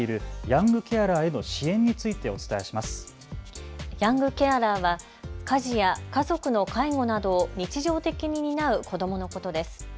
ヤングケアラーは家事や家族の介護などを日常的に担う子どものことです。